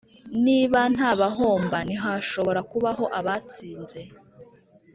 niba nta bahomba ntihashobora kubaho abatsinze